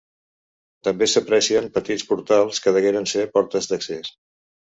També s'aprecien petits portals que degueren ser portes d'accés.